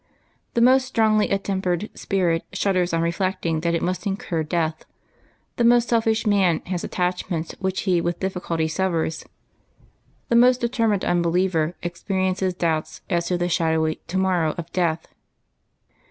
The most strongly attempered spirit shudders on reflecting that it must incur death ; the most selfish man has attachments which he with difficulty severs ; the most determined unbe LIVES OF THE SAINTS 15 liever experiences doubts as to the shadowy To moirow of death.